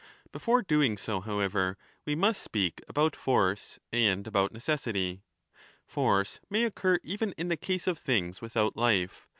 Before doing so, however, we must speak about force 14 1188^ and about necessity. Force may occur even in the case of things without life.